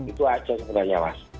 itu saja sebenarnya mas